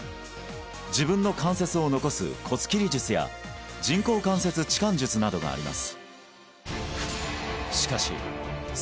自分の関節を残す骨切り術や人工関節置換術などがあります